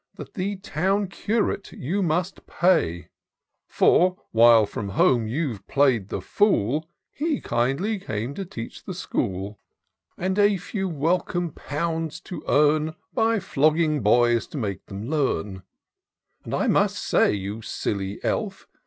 That the Town Curate you must pay ; For, while from home you play'd the fool. He kindly came to teach the school ; And a few w.elcome pounds to earn, By flogging boys to make them learn : But I must say, you silly elf!